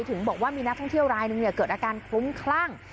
ถึงบอกว่ามีนักท่องเที่ยวรายหนึ่งเกิดอาการคลุ้มคลั่ง